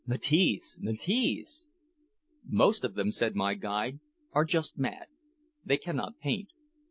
Matisse Matisse! "Most of them," said my guide, "are just mad. They cannot paint.